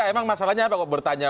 emang masalahnya apa kok bertanya